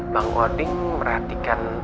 bang odin merhatikan